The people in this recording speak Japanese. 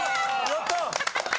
やった！